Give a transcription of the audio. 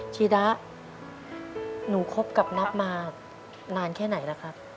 ชีดะหนูคบกับนับมานานแค่ไหนแล้วครับ